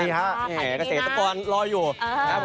นี่ครับขายนี้นะครับผมขอบคุณครับ